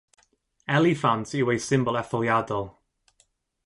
Eliffant yw ei symbol etholiadol.